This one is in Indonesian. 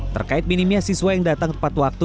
terkait minimnya siswa yang datang tepat waktu